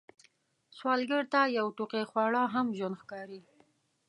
سوالګر ته یو ټوقی خواړه هم ژوند ښکاري